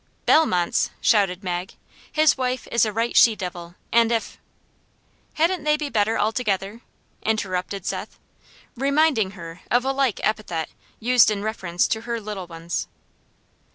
"Bellmonts?" shouted Mag. "His wife is a right she devil! and if " "Hadn't they better be all together?" interrupted Seth, reminding her of a like epithet used in reference to her little ones.